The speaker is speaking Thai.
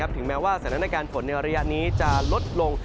ถึงแม้ว่าสถานการณ์ฝนในระยะนี้จะลดลง